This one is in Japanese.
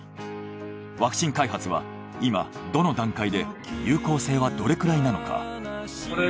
ワクチン開発は今どの段階で有効性はどれくらいなのか。